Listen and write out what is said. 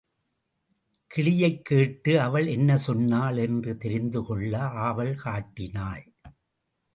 கிளியைக் கேட்டு அவள் என்ன சொன்னாள் என்று தெரிந்து கொள்ள ஆவல் காட்டினாள்.